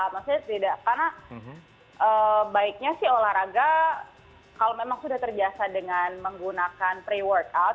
karena baiknya sih olahraga kalau memang sudah terbiasa dengan menggunakan pre workout